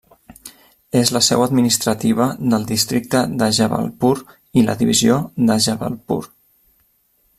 És la seu administrativa del districte de Jabalpur i la divisió de Jabalpur.